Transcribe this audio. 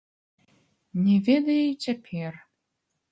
Не ведае й цяпер.